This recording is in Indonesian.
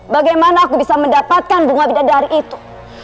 bagaimana aku bisa mendapatkan bunga bidan dari itu